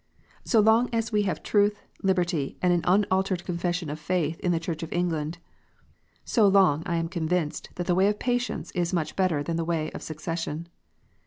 So long as we have truth, liberty, and an un altered Confession of faith in the Church of England, so long I am convinced that the way of patience is much better than the way of secession.